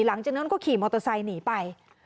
หลังจากนั้นก็ขี่มอเตอร์ไซค์หนีไป